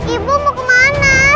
ibu mau kemana